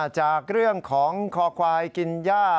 จากเรื่องของคอควายกินย่า